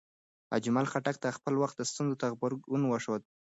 اجمل خټک د خپل وخت ستونزو ته غبرګون وښود.